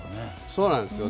そうなんですよ。